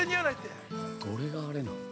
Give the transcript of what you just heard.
◆どれがあれなん？